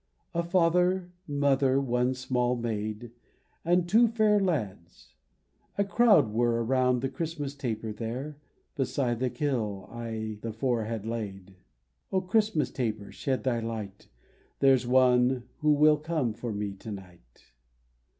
g 97 98 THE CHRISTMAS CANDLE A father, mother, one small maid, And two fair lads ; a crowd we were Around the Christmas taper there (Beside the kille 1 the four are laid). "O Christmas taper, shed thy light ! There's One will come for me to night."